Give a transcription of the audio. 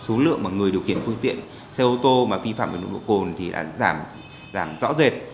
thứ lượng mà người điều khiển phương tiện xe ô tô mà phi phạm với nội dụng cồn thì đã giảm rõ rệt